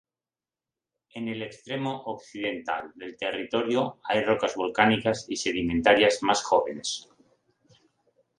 En el extremo occidental del territorio hay rocas volcánicas y sedimentarias más jóvenes.